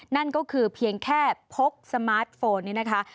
นั่นก็คือเพียงแค่พกสมาร์ทโฟนนี่นะคะ